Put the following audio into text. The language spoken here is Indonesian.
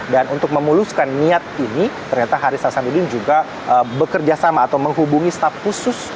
dan untuk memuluskan niat ini ternyata haris hasan udin juga bekerjasama atau menghubungi staff khusus